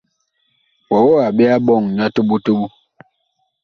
Wɔwɔɔ a ɓe a ɓɔŋ nyu a toɓo toɓo ?